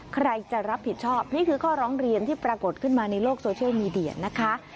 ใครจะรับผิดชอบนี่คือข้อร้องเรียนที่ปรากฏขึ้นมาในโลกโซเชียลมีเดียนะคะ